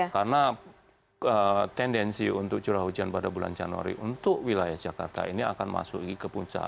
karena tendensi untuk curah hujan pada bulan januari untuk wilayah jakarta ini akan masuk lagi ke puncak